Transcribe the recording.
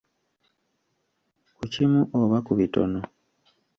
Ku Kimu oba ku bitono